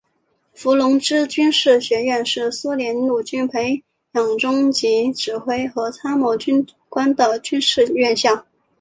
伏龙芝军事学院是苏联陆军培养中级指挥和参谋军官的军事院校。